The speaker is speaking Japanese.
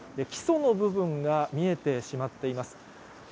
基礎の部分が見えてしまっています。